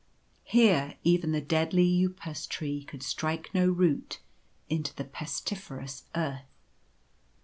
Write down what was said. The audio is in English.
Here even the deadly Upas tree could strike no root into the pestiferous earth.